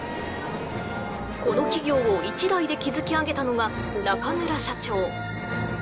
この企業を一代で築き上げたのが中村社長